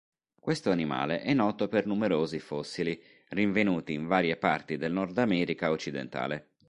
Questo animale è noto per numerosi fossili, rinvenuti in varie parti del Nordamerica occidentale.